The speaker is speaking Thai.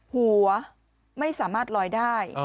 หัวไม่สามารถลอยได้